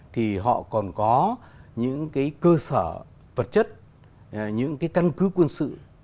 thì họ còn có những cái cơ sở vật chất những cái căn cứ quân sự